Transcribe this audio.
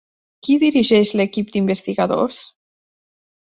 Qui dirigeix l'equip d'investigadors?